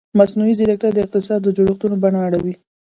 مصنوعي ځیرکتیا د اقتصادي جوړښتونو بڼه اړوي.